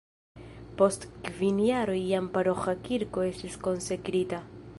Post kvin jaroj jam paroĥa kirko estis konsekrita.